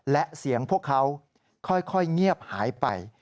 และเสียงพวกเขาค่อยเงียบหายไป